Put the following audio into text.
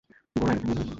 গোরা এরকমই নয়।